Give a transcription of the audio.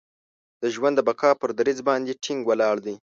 د ژوند د بقا پر دریځ باندې ټینګ ولاړ دی.